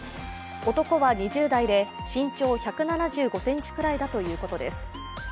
男は２０代で、身長１７５ｃｍくらいだということです。